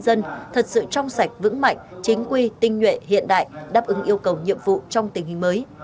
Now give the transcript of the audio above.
công an nhân dân thật sự trong sạch vững mạnh chính quy tinh nhuệ hiện đại đáp ứng yêu cầu nhiệm vụ trong tình hình mới